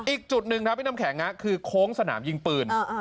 อีกจุดหนึ่งครับพี่น้ำแข็งคือโค้งสนามยิงปืน